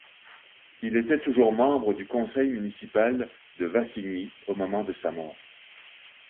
Il était toujours membre du conseil municipal de Wassigny au moment de sa mort.